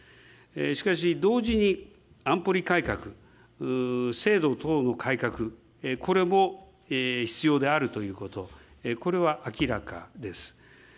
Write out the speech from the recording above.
しかし、同時に、安保理改革、制度等の改革、これも必要であるということ、これは明らかです。